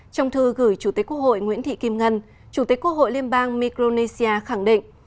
trong thư gửi chủ tế quốc hội nguyễn thị kim ngân chủ tịch quốc hội liên bang micronesia khẳng định